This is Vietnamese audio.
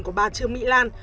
của bà trương mỹ lan